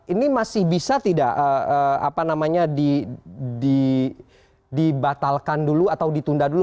ini masih bisa tidak dibatalkan dulu atau ditunda dulu